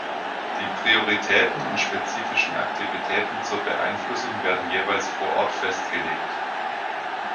Die Prioritäten und spezifischen Aktivitäten zur Beeinflussung werden jeweils vor Ort festgelegt.